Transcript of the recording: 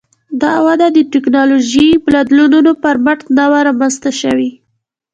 دا وده د ټکنالوژیکي بدلونونو پر مټ نه وه رامنځته شوې